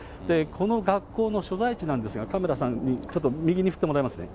この学校の所在地なんですが、カメラさん、ちょっと右に振ってもらいますね。